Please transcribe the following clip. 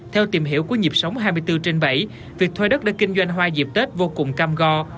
theo tìm hiểu của nhịp sống hai mươi bốn trên bảy việc thuê đất để kinh doanh hoa dịp tết vô cùng cam go